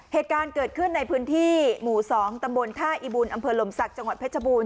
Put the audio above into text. เหตุการณ์เกิดขึ้นในพื้นที่หมู่๒ตำบลท่าอิบุญอำเภอลมศักดิ์จังหวัดเพชรบูรณ